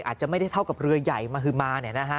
อาจจะไม่ได้เท่ากับเรือใหญ่มฮือมา